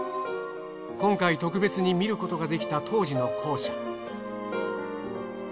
今回特別に見ることができた当時の校舎。